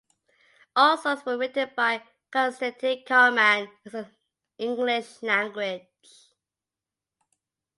All songs were written by Konstantin Karman in the English language.